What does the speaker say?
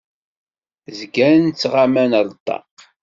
Zgan ttɣaman ar ṭṭaq.